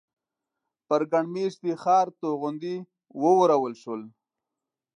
پر ګڼ مېشتي ښار توغندي وورول شول.